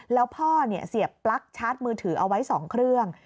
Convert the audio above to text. แล้วพ่อเสียบปลั๊กชาร์จมือถือเอาไว้๒เครื่อง